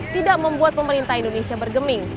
tidak membuat pemerintah indonesia bergeming